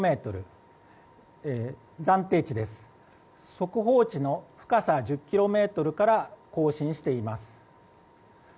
速報値の深さ１０ｋｍから更新しています。